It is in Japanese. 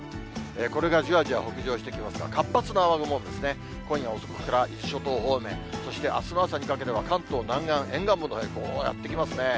これがじわじわ北上してきますが、活発な雨雲ですね、今夜遅くから伊豆諸島方面、そしてあすの朝にかけては、関東南岸、沿岸部のほうへ、こうやって来ますね。